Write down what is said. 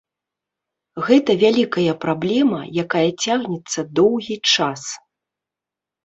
Гэта вялікая праблема, якая цягнецца доўгі час.